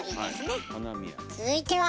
続いては。